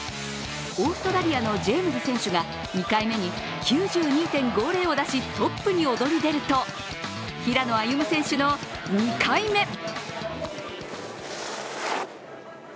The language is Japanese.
オーストラリアのジェームズ選手が２回目の９２．５０を出してトップに躍り出ると、平野歩夢選手の２回目。